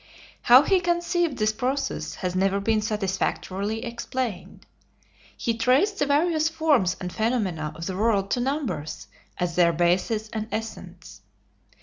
How he conceived this process has never been satisfactorily explained. He traced the various forms and phenomena of the world to numbers as their basis and essence.